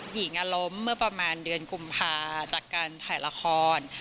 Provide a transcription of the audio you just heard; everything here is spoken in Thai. หญิงล้มเมื่อประมาณเดือนกุมภาจากการถ่ายละคร